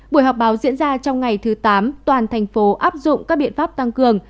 buổi họp báo diễn ra trong ngày thứ tám toàn thành phố áp dụng các biện pháp tăng cường